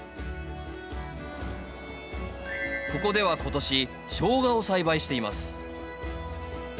ここでは今年ショウガを栽培しています。